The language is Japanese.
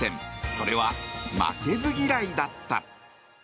それは、負けず嫌いだった。